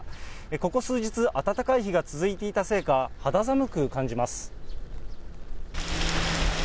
ここ数日、暖かい日が続いていたせいか、肌寒く感じます。